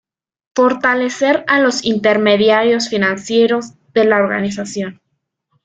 Fortalecer a los intermediarios financieros de la organización.